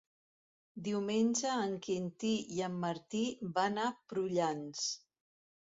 Diumenge en Quintí i en Martí van a Prullans.